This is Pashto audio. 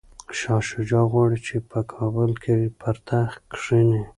شاه شجاع غواړي چي په کابل کي پر تخت کښیني.